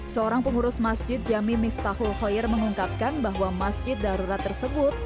seorang pengurus masjid jami miftahul khoir mengungkapkan bahwa masjid darurat tersebut